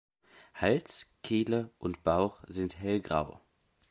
Hals, Kehle und Bauch sind hellgrau.